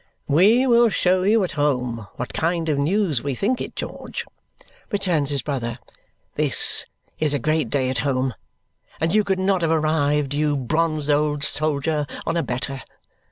"We will show you at home what kind of news we think it, George," returns his brother. "This is a great day at home, and you could not have arrived, you bronzed old soldier, on a better.